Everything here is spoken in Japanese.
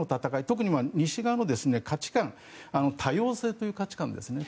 特に西側との価値観多様性という価値観ですね。